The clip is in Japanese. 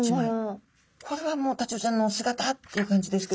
これはもうタチウオちゃんの姿っていう感じですけど。